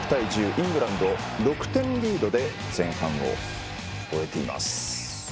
イングランド６点リードで前半を終えています。